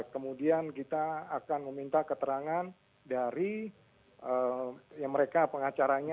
kemudian kita akan meminta keterangan dari mereka pengacaranya